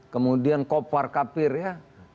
kemudian kopar kapir ya